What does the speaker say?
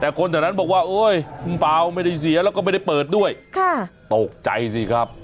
แต่คนแถวนั้นบอกว่าโอ๊ยคุณเปล่าไม่ได้เสียแล้วก็ไม่ได้เปิดด้วยตกใจสิครับ